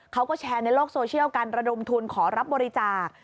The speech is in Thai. เขาก็แชร์ในโลกโซเชียลการระดมทุนขอรับบริจาค